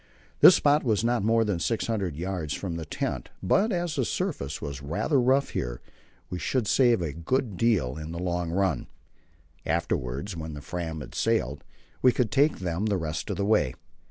This spot was not more than 600 yards from the hut, but as the surface was rather rough here, we should save a good deal in the long run. Afterwards when the Fram had sailed, we could take them the rest of the way.